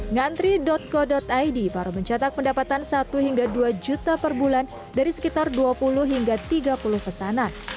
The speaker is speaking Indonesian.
ngantri co id para pencatak mendapatkan rp satu dua juta per bulan dari sekitar dua puluh hingga tiga puluh pesanan